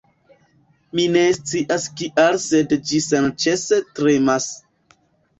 Mi ne scias kial sed ĝi senĉese tremas